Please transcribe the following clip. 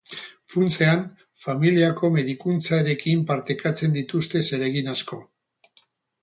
Funtsean, familiako medikuntzarekin partekatzen dituzte zeregin asko.